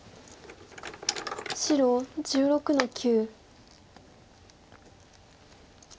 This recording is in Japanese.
白１６の九。